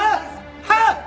ハッ！